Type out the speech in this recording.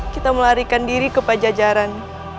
kita melarikan diri ke pajajaran